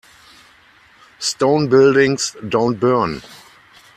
Stone buildings don't burn.